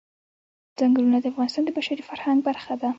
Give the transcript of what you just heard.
چنګلونه د افغانستان د بشري فرهنګ برخه ده.